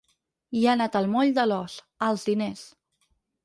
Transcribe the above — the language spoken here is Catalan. I ha anat al moll de l’os, als diners.